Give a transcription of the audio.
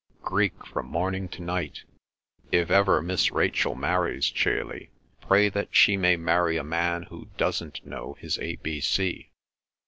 "Greek from morning to night. If ever Miss Rachel marries, Chailey, pray that she may marry a man who doesn't know his ABC."